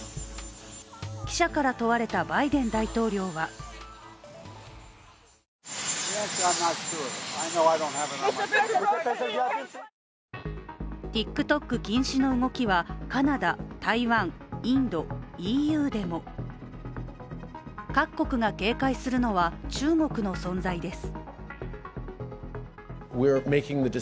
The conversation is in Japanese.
記者から問われたバイデン大統領はＴｉｋＴｏｋ禁止の動きは、カナダ、台湾、インド、ＥＵでも各国が警戒するのは中国の存在です。